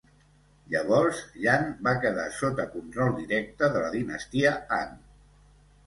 Llavors, Yan va quedar sota control directe de la dinastia Han.